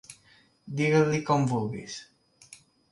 Digues-li com vulguis.